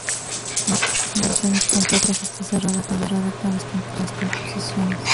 La clase de funciones completas está cerrada con respecto a las composiciones.